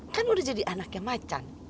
kan udah jadi anaknya macan